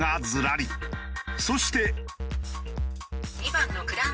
そして。